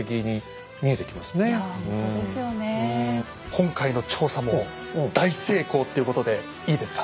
今回の調査も大成功っていうことでいいですか？